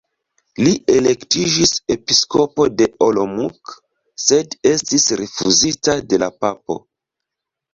Li elektiĝis Episkopo de Olomouc sed estis rifuzita de la papo.